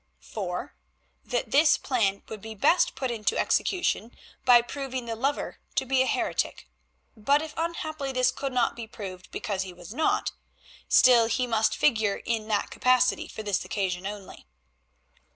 (4) That this plan would be best put into execution by proving the lover to be a heretic, but if unhappily this could not be proved because he was not, still he must figure in that capacity for this occasion only.